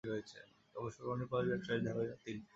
অবসর গ্রহণের পর ব্যবসায়ের দিকে ধাবিত হন তিনি।